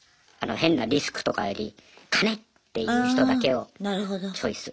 変なリスクとかより金！っていう人だけをチョイス。